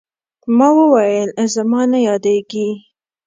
ما وويل زما نه يادېږي.